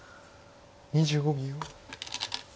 ２５秒。